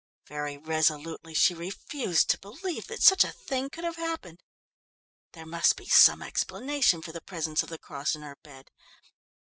Very resolutely she refused to believe that such a thing could have happened. There must be some explanation for the presence of the cross in her bed.